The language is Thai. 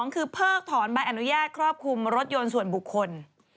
คือเพิกถอนใบอนุญาตครอบคลุมรถยนต์ส่วนบุคคล